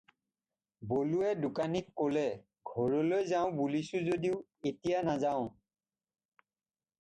বলোৱে দোকানীক ক'লে- "ঘৰলৈ যাওঁ বুলিছিলোঁ যদিও, এতিয়া নাযাওঁ।"